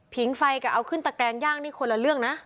ไฟกับเอาขึ้นตะแกรงย่างนี่คนละเรื่องนะ